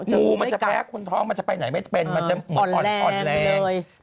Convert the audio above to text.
งูมันจะแพ้คนท้องมันจะไปไหนไม่เป็นมันจะเหมือนอ่อนแรง